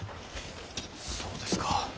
そうですか。